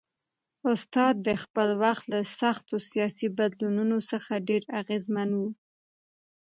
استاد د خپل وخت له سختو سیاسي بدلونونو څخه ډېر اغېزمن و.